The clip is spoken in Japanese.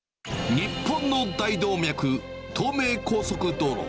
日本の大動脈、東名高速道路。